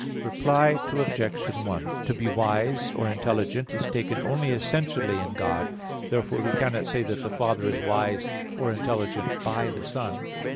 Reply Obj. 1: To be wise or intelligent is taken only essentially in God; therefore we cannot say that "the Father is wise or intelligent by the Son."